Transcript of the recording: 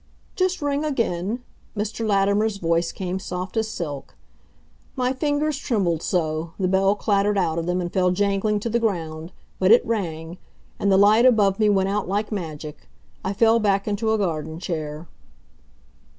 "Just ring again " Mr. Latimer's voice came soft as silk. My fingers trembled so, the bell clattered out of them and fell jangling to the ground. But it rang. And the light above me went out like magic. I fell back into a garden chair.